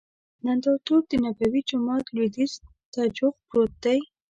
نندارتون دنبوي جومات لوید یځ ته جوخت پروت دی.